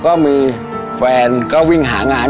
ก็มีแฟนก็วิ่งหางาน